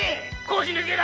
腰抜け侍！